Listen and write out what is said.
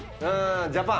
ジャパン。